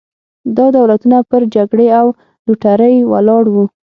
دا دولتونه پر جګړې او لوټرۍ ولاړ وو.